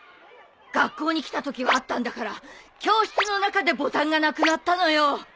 学校に来たときはあったんだから教室の中でボタンがなくなったのよ。